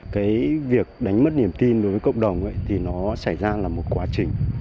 cái việc đánh mất niềm tin đối với cộng đồng thì nó xảy ra là một quá trình